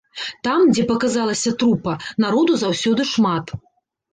Там, дзе паказалася трупа, народу заўсёды шмат.